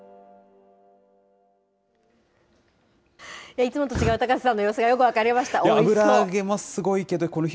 いつもと違う高瀬さんの様子がよく分かりました。